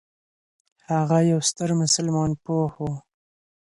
هغه یو ستر مسلمان پوه و.